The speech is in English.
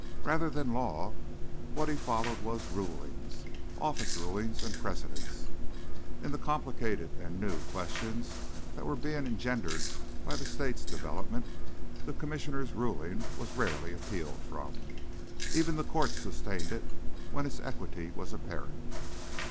Rather than law, what he followed was Rulings: Office Rulings and precedents. In the complicated and new questions that were being engendered by the state's development the Commissioner's ruling was rarely appealed from. Even the courts sustained it when its equity was apparent.